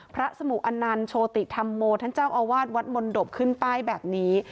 สมุอนันต์โชติธรรมโมท่านเจ้าอาวาสวัดมนตบขึ้นป้ายแบบนี้